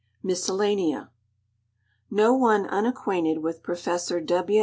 124 MISCELLANEA No one unacquainted with Professor W.